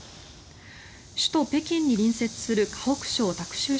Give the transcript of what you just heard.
首都・北京に隣接する河北省タクシュウ